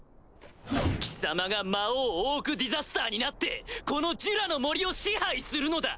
貴様が魔王オーク・ディザスターになってこのジュラの森を支配するのだ！